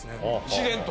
自然と？